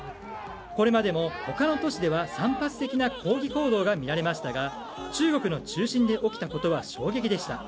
これまでも他の都市では散発的な抗議行動が見られましたが中国の中心で起きたことは衝撃的でした。